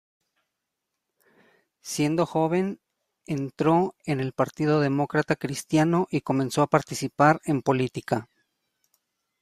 Siendo joven, entró en el partido demócrata cristiano y comenzó a participar en política.